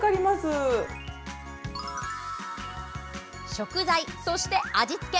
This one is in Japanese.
食材、そして味付け。